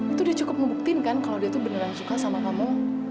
itu dia cukup membuktikan kan kalau dia tuh beneran suka sama kamu